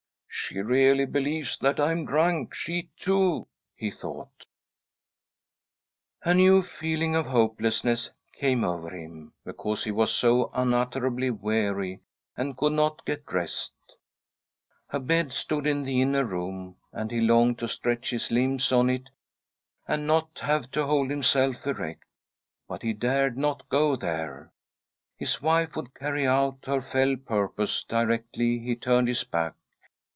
" She really believes that I am drunk— she too !" he thought. '; A new feeling of hopelessness came over him, because he was so unutterably weary and could not get rest. A bed stood in the inner room, and he longed to stretch his limbs on it and not have to hold himself erect ; but he dared not go there— his wife would carry out her fell purpose directly he turned his back.